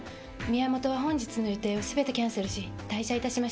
宮元は本日の予定を全てキャンセルし退社いたしました。